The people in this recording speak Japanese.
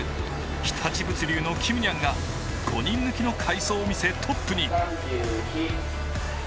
日立物流のキムニャンが５人抜きの快走を見せトップに。